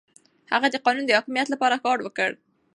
هغه د قانون د حاکميت لپاره کار وکړ.